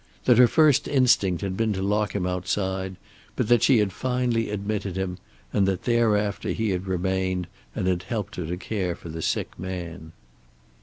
That her first instinct had been to lock him outside, but that she had finally admitted him, and that thereafter he had remained and had helped her to care for the sick man.